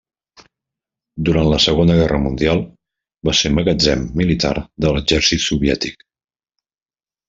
Durant la Segona Guerra Mundial va ser magatzem militar de l'exèrcit soviètic.